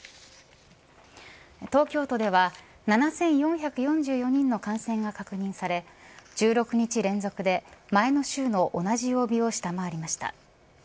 東京都では７４４４人の感染が確認され１６日連続で前の週の同じ曜日を下回りました。